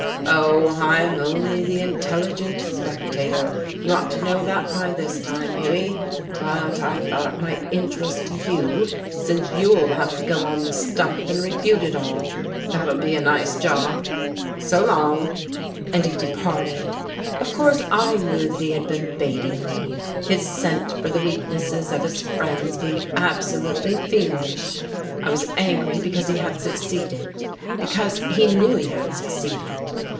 "Oh, I'm only the intelligent spectator, you ought to know that by this time, Hughie. But I thought it might interest you, since you'll have to go on the stump and refute it all. That'll be a nice job. So long." And he departed. Of course I knew that he had been baiting me, his scent for the weaknesses of his friends being absolutely fiendish. I was angry because he had succeeded, because he knew he had succeeded.